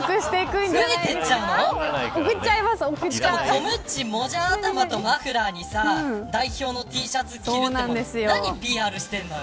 コムッチ、もじゃ頭とマフラーにさあ代表のＴシャツ着るって何ＰＲしてんだよ。